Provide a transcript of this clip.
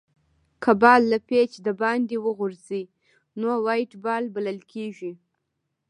که بال له پيچ دباندي وغورځي؛ نو وایډ بال بلل کیږي.